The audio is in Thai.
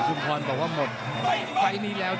ต้องออกครับอาวุธต้องขยันด้วย